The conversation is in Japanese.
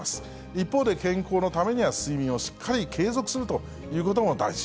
一方で、健康のためには睡眠をしっかり継続するということも大事。